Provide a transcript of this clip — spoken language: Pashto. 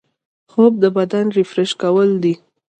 خوب د بدن ریفریش کول دي